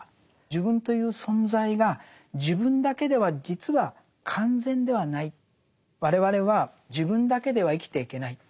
自分という存在が自分だけでは実は完全ではない我々は自分だけでは生きていけないって。